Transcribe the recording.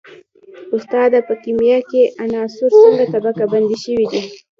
استاده په کیمیا کې عناصر څنګه طبقه بندي شوي دي